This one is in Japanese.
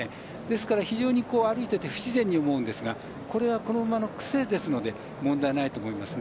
ですから非常に歩いていて不自然に思うんですがこれは、この馬の癖ですので問題ないと思います。